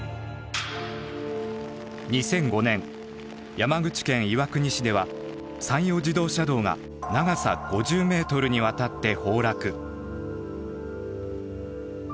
２００５年山口県岩国市では山陽自動車道が長さ５０ｍにわたって崩落。